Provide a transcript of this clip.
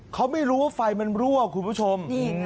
เขาไม่รู้ว่าไฟมันรั่วคุณผู้ชม